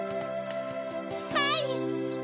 はい！